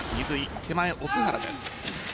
手前、奥原です。